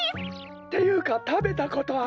っていうかたべたことあるよ。